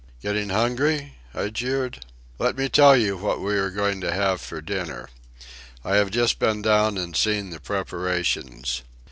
"Getting hungry?" I jeered. "Let me tell you what we are going to have for dinner. I have just been down and seen the preparations.